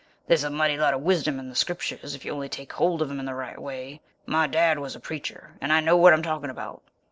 There's a mighty lot of wisdom in the Scriptures if you only take hold of 'em in the right way. My dad was a preacher, and I know what I'm talking about."